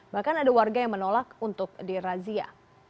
bahkan ada warga yang menolak untuk dirazia